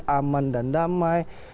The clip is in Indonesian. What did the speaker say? aman dan damai